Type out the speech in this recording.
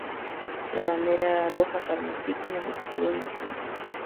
La bandera era rojo carmesí con el escudo en el centro.